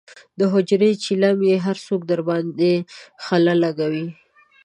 د حجرې چیلم یې هر څوک درباندې خله لکوي.